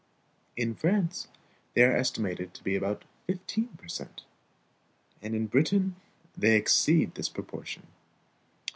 In France they are estimated to be about fifteen per cent., and in Britain they exceed this proportion.